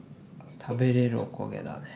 食べれるお焦げだね。